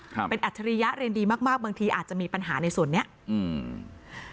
ครับเป็นอัจฉริยะเรียนดีมากมากบางทีอาจจะมีปัญหาในส่วนเนี้ยอืม